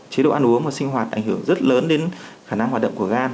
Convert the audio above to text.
chế độ ăn uống và sinh hoạt ảnh hưởng rất lớn đến khả năng hoạt động của gan